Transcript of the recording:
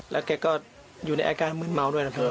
แล้วเขาก็อยู่ในเอกลายมืดเมาด้วยนะครับ